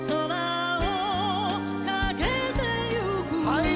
はい！